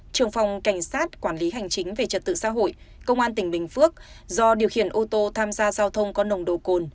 trường phòng cảnh sát quản lý hành chính về trật tự xã hội công an tỉnh bình phước do điều khiển ô tô tham gia giao thông có nồng độ cồn